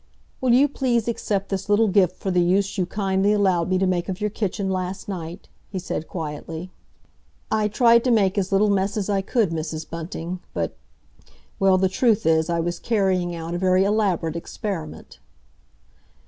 "Will you please accept this little gift for the use you kindly allowed me to make of your kitchen last night?" he said quietly. "I tried to make as little mess as I could, Mrs. Bunting, but—well, the truth is I was carrying out a very elaborate experiment."